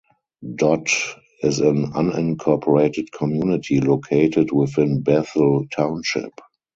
Dott is an unincorporated community located within Bethel Township.